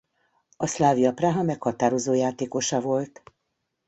A Slavia Praha meghatározó játékosa volt.